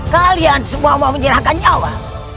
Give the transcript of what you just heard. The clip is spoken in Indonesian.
kalian semua mau menyerahkan nyawa